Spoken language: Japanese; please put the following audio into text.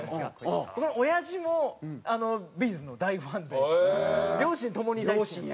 僕のおやじもＢ’ｚの大ファンで両親ともに大好きです。